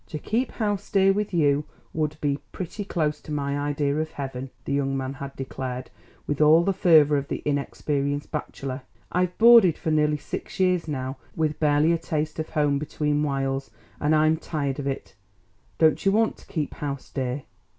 "To keep house, dear, with you would be pretty close to my idea of heaven," the young man had declared with all the fervour of the inexperienced bachelor. "I've boarded for nearly six years now with barely a taste of home between whiles, and I'm tired of it. Don't you want to keep house, dear?"